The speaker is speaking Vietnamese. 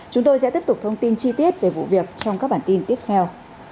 chúng tôi sẽ tiếp tục thông tin chi tiết về vụ việc trong các bản tin tiếp theo